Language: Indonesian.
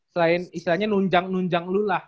selain istilahnya nunjang nunjang lu lah